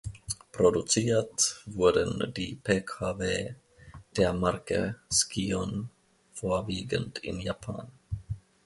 Produziert wurden die Pkw der Marke Scion vorwiegend in Japan.